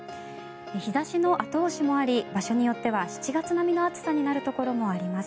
日差しの後押しもあり場所によっては７月並みの暑さになるところもあります。